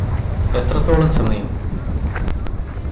എത്രത്തോളം സമയം